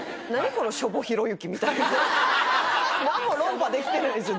この何も論破できてないんですよ